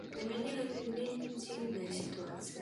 Для мяне гэта вельмі дзіўная сітуацыя.